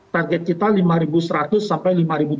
target kita lima ribu seratus sampai lima ribu dua ratus